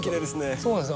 そうなんですよ。